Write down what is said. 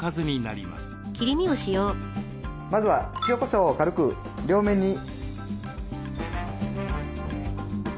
まずは塩こしょうを軽く両面に。